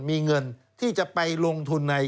มีเงินที่จะไปลงทุนใน